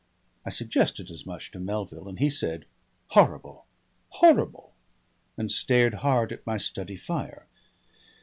I suggested as much to Melville and he said "Horrible! Horrible!" and stared hard at my study fire.